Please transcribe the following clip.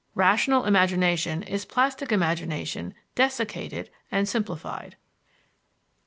Rational imagination is plastic imagination desiccated and simplified.